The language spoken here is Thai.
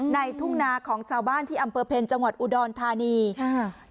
ทุ่งนาของชาวบ้านที่อำเภอเพลจังหวัดอุดรธานีค่ะ